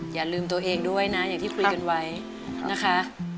อย่าลืมตัวเองด้วยนะอย่างที่คุยกันไว้นะคะ